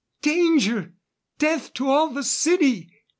Danger! Death to all the city!"